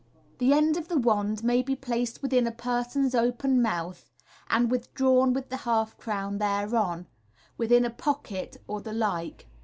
The end of the wand may be placed within a person's open mouth (and withdrawn with the half crown thereon), within a pocket, or the like.